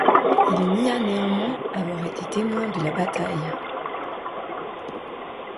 Il nia néanmoins avoir été témoin de la bataille.